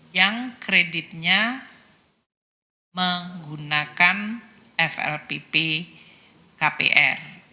yang kreditnya menggunakan flpp kpr